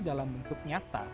dalam bentuk nyata